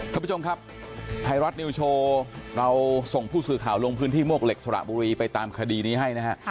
ท่านผู้ชมครับไทยรัฐนิวโชว์เราส่งผู้สื่อข่าวลงพื้นที่มวกเหล็กสระบุรีไปตามคดีนี้ให้นะฮะ